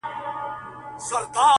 وخت را ښیي مطلبي یاران پخپله,